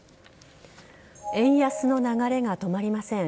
円安の流れが止まりません。